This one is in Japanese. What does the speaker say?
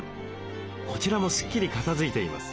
こちらもスッキリ片づいています。